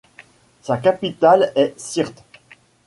Sa capitale est Syrte.